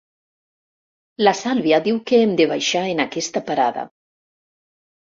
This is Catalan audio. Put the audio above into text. La Sàlvia diu que hem de baixar en aquesta parada.